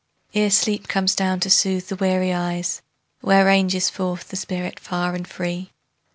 Ere sleep comes down to soothe the weary eyes, Where ranges forth the spirit far and free?